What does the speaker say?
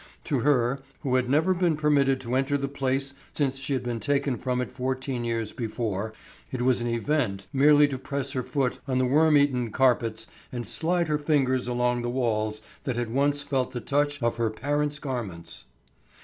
To her, who had never been permitted to enter the place since she had been taken from it fourteen years before, it was an event merely to press her foot on the worm eaten carpets and slide her fingers along the walls that had once felt the touch of her parents' garments.